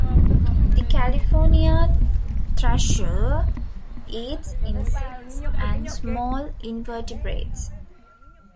The California thrasher eats insects and small invertebrates.